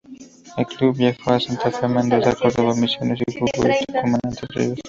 El club viajó a Santa Fe, Mendoza, Córdoba, Misiones, Jujuy, Tucumán, Entre Ríos.